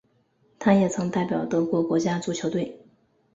他也曾代表德国国家足球队。